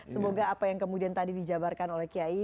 semoga apa yang kemudian tadi dijabarkan oleh kiai